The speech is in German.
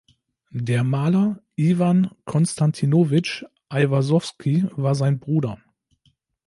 Der Maler Iwan Konstantinowitsch Aiwasowski war sein Bruder.